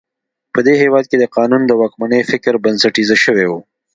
په دې هېواد کې د قانون د واکمنۍ فکر بنسټیزه شوی و.